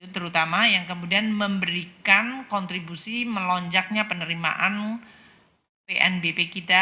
terutama yang kemudian memberikan kontribusi melonjaknya penerimaan pnbp kita